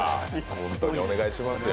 本当にお願いしますよ。